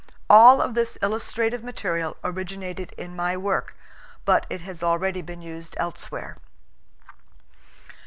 All of this illustrative material originated in my work, but it has already been used elsewhere.